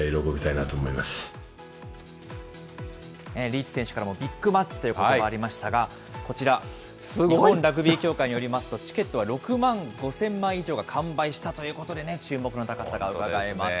リーチ選手からも、ビッグマッチということばがありましたが、こちら、日本ラグビー協会によりますと、チケットは６万５０００枚以上が完売したということでね、注目の高さがうかがえます。